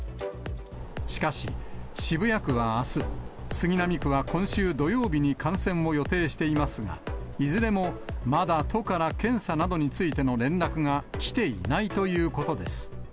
しかし、渋谷区はあす、杉並区は今週土曜日に観戦を予定していますが、いずれも、まだ都から検査などについての連絡が来ていないということです。